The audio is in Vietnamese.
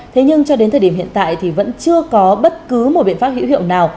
thế nhưng cho đến thời điểm hiện tại thì vẫn chưa có bất cứ một biện pháp hữu hiệu nào